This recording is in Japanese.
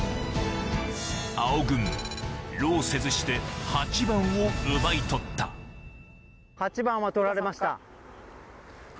青軍労せずして８番を奪い取った８番は取られました。